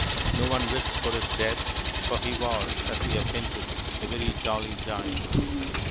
No one wished for his death, for he was, as we have hinted, a very jolly Giant.